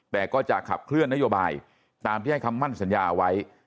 แต่ก็จะขับเคลื่อนนโยบายตามที่ให้คำมั่นสัญญาไว้